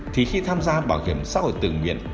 thì khi tham gia bảo hiểm xã hội tự nguyện